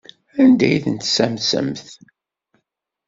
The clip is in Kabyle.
Anda ay ten-tessamsemt?